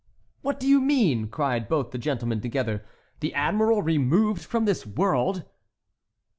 "What do you mean?" cried both the gentlemen together, "the admiral removed from this world?"